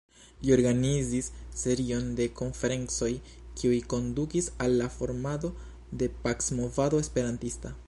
Li organizis serion de konferencoj kiuj kondukis al la formado de pac-movado esperantista.